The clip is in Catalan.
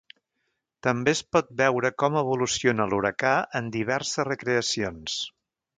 També es pot veure com evoluciona l’huracà en diverses recreacions.